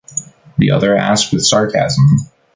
The other asked with sarcasm.